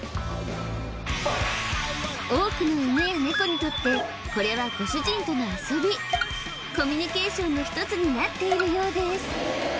多くの犬やネコにとってこれはご主人との遊びコミュニケーションのひとつになっているようです